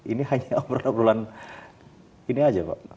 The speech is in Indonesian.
ini hanya omrol omrolan ini aja pak